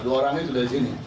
dua orangnya sudah di sini